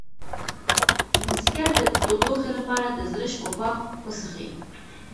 د ځیګر د تودوخې لپاره د زرشک اوبه وڅښئ